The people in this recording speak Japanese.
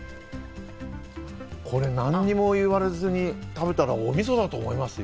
これ何にも言われずに食べたら、おみそだと思いますよ。